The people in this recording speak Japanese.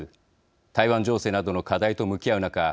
台湾情勢などの課題と向き合う中